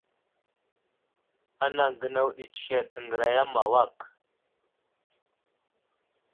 Anaŋ gənaw ɗi tsəhed təŋgəraya ma awak.